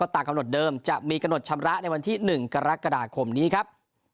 ตามกำหนดเดิมจะมีกำหนดชำระในวันที่๑กรกฎาคมนี้ครับ